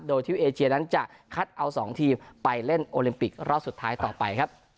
โดยทิวเอเชียนั้นจะคัดเอา๒ทีมไปเล่นโอลิมปิกรอบสุดท้ายต่อไปครับ